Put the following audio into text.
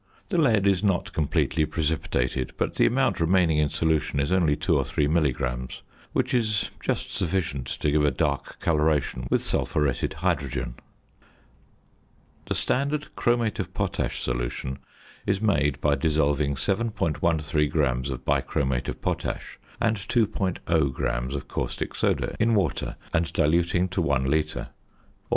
The lead is not completely precipitated, but the amount remaining in solution is only 2 or 3 milligrams, which is just sufficient to give a dark coloration with sulphuretted hydrogen. The standard chromate of potash solution is made by dissolving 7.13 grams of bichromate of potash and 2.0 grams of caustic soda in water, and diluting to 1 litre; or 9.